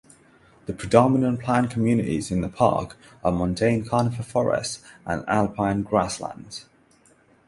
The predominant plant communities in the park are montane conifer forests and alpine grasslands.